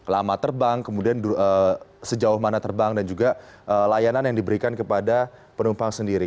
lama terbang kemudian sejauh mana terbang dan juga layanan yang diberikan kepada penumpang sendiri